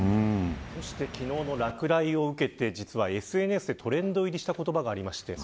そして昨日の落雷を受けてＳＮＳでトレンド入りした言葉がありました。